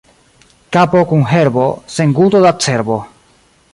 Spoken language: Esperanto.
Kapo kun herbo, sen guto da cerbo.